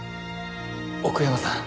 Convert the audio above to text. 奥山さん。